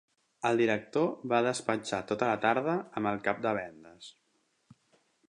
El director va despatxar tota la tarda amb el cap de vendes.